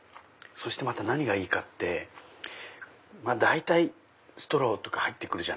そしてまた何がいいかって大体ストローとか入って来る。